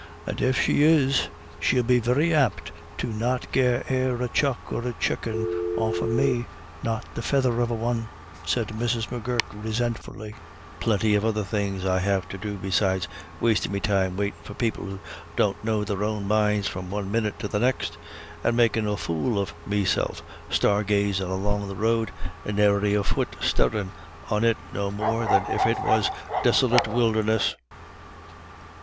"And if she is, she'll be very apt to not get e'er a chuck or a chucken off of me not the feather of a one," said Mrs. M'Gurk, resentfully, "plenty of other things I have to do besides wastin' me time waitin' for people that don't know their own minds from one minyit to the next, and makin' a fool of meself star gazin' along the road, and ne'er a fut stirrin' on it no more than if it was desolit wildernesses."